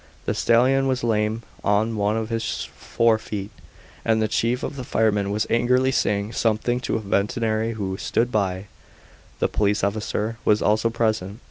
The stallion was lame on one of his fore feet, and the chief of the firemen was angrily saying something to a veterinary who stood by. The police officer was also present.